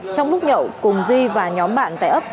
trong lúc nhậu cùng duy và nhóm bạn tại ấp